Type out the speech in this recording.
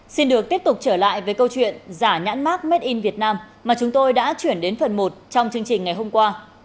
xin được tiếp tục trở lại với câu chuyện giả nhãn mát made in vietnam mà chúng tôi đã chuyển đến phần một trong chương trình ngày hôm qua